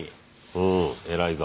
うん偉いぞ。